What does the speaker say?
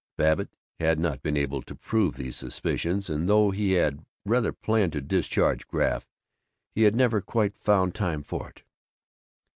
Babbitt had not been able to prove these suspicions, and though he had rather planned to discharge Graff he had never quite found time for it.